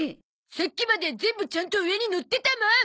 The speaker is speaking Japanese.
さっきまで全部ちゃんと上にのってたもん！